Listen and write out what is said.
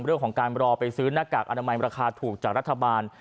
เรื่องของการรอไปซื้อหน้ากากอนามัยราคาถูกจากรัฐบาล